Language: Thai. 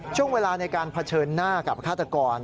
ช่วงเวลาในการเผชิญหน้ากับฆาตกร